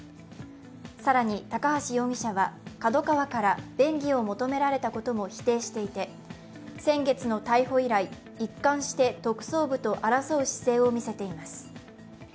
更に高橋容疑者はＫＡＤＯＫＡＷＡから便宜を求められたことも否定していて先月の逮捕以来、一貫して特捜部と争う姿勢を示しています。